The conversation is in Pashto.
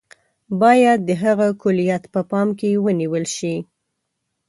باید د هغه کُلیت په پام کې ونیول شي.